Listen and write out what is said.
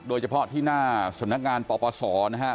โดยเฉพาะที่หน้าสำนักงานปปศนะครับ